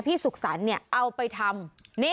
พี่สุขสรรเอาไปทำ